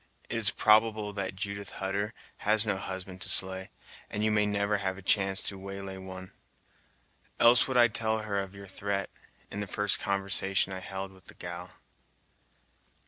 It is probable that Judith Hutter has no husband to slay, and you may never have a chance to waylay one, else would I tell her of your threat, in the first conversation I held with the gal."